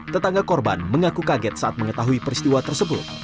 tetangga korban mengaku kaget saat mengetahui peristiwa tersebut